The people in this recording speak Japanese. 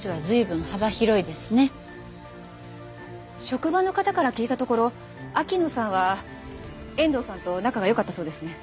職場の方から聞いたところ秋野さんは遠藤さんと仲が良かったそうですね。